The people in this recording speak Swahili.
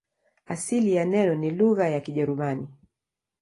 Asili ya neno ni lugha ya Kijerumani.